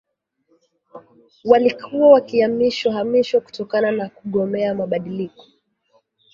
walikuwa wakihamishwa hamishwa kutokana na kugomea mabadiliko